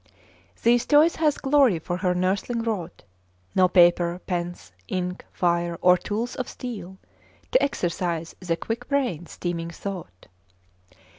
' 'These toys hath Glory for her nursling wrought! No paper, pens, ink, fire, or tools of steel, To exercise the quick brain's teeming thought.